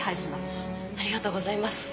ありがとうございます。